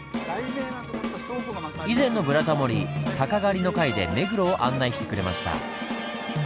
以前の「ブラタモリ鷹狩り」の回で目黒を案内してくれました。